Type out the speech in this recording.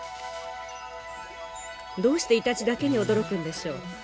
どうしてイタチだけに驚くんでしょう？